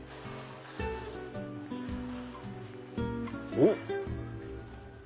おっ！